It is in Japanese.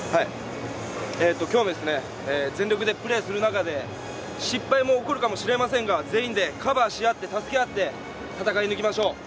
今日はですね、全力でプレーする中で失敗も起こるかもしれませんが全員でカバーし合って助け合って戦い抜きましょう。